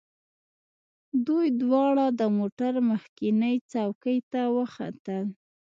دوی دواړه د موټر مخکینۍ څوکۍ ته وختل